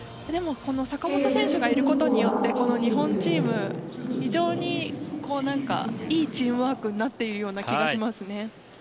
でも、この坂本選手がいることによって日本チーム非常にいいチームワークになっているような気がしますね。